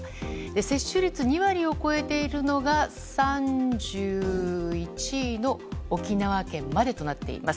接種率２割を超えているのが３１位の沖縄県までとです。